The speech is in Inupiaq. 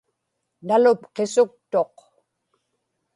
nalupqisuktuq